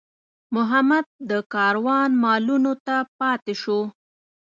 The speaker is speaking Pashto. محمد د کاروان مالونو ته پاتې شو.